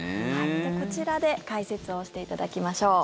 こちらで解説をしていただきましょう。